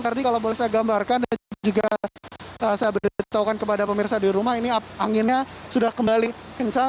jadi kalau boleh saya gambarkan dan juga saya beritahukan kepada pemirsa di rumah ini anginnya sudah kembali kencang